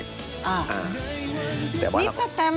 หลังจากนั้นสถานต่ออย่างไรบ้างพี่แตม